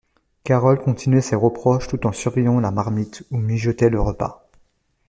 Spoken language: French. Carole continuait ses reproches tout en surveillant la marmite où mijotait le repas.